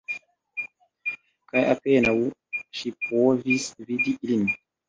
Kaj apenaŭ ŝi povis vidi ilin.